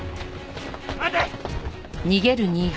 待て！